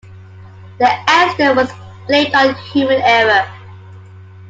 The accident was blamed on human error.